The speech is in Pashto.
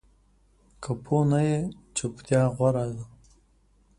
که پوه نه یې، چُپتیا غوره ده